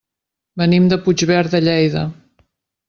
Venim de Puigverd de Lleida.